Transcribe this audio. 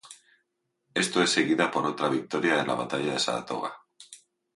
Esto es seguida por otra victoria en la Batalla de Saratoga.